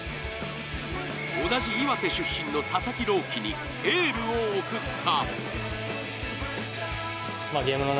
同じ岩手出身の佐々木朗希にエールを送った。